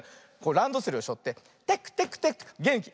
ランドセルをしょってテクテクテクってげんきに。